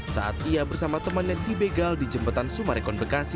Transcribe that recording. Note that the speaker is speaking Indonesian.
saat ia bersama temannya di begal di jembatan sumarekon bekasi